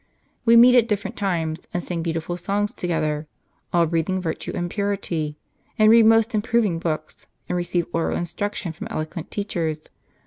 We meet at different times, and sing beautiful songs together, all breathing virtue and purity, and read most improving books, and receive oral instruction from eloquent teachers.